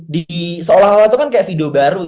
di seolah olah itu kan kayak video baru